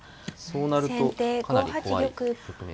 そうなるとかなり怖い局面。